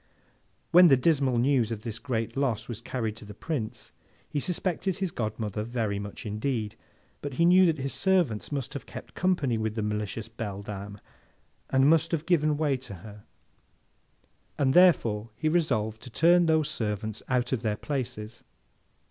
When the dismal news of his great loss was carried to the Prince, he suspected his godmother very much indeed; but, he knew that his servants must have kept company with the malicious beldame, and must have given way to her, and therefore he resolved to turn those servants out of their places.